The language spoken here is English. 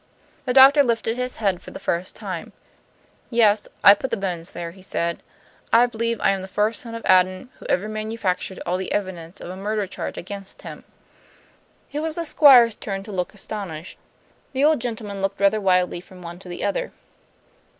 The doctor lifted his head for the first time. "Yes; I put the bones there," he said. "I believe I am the first son of Adam who ever manufactured all the evidence of a murder charge against himself." It was the Squire's turn to look astonished. The old gentleman looked rather wildly from one to the other.